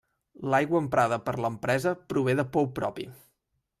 L'aigua emprada per l'empresa prové de pou propi.